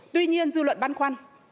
tuy nhiên dư luận ban khoan